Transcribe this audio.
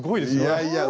いやいや。